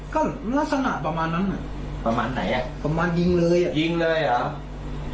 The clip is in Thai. ก็ลักษณะประมาณนั้นอ่ะประมาณไหนอ่ะประมาณยิงเลยอ่ะยิงเลยเหรอ